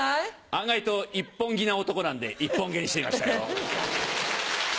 案外と一本気な男なんで一本毛にしてみましたよ。